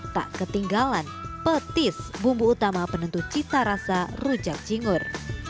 tak ketinggalan petis bumbu utama penentu cita rasa rujak cingur